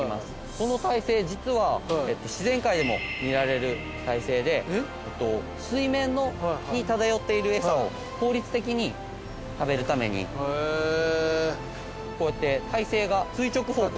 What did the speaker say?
この体勢実は自然界でも見られる体勢で水面に漂っている餌を効率的に食べるためにこうやって体勢が垂直方向